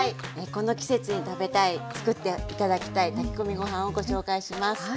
この季節に食べたいつくって頂きたい炊き込みご飯をご紹介します。